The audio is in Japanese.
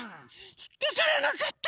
ひっかからなかった。